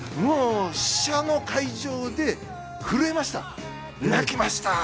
試写の会場で震えました、泣きました。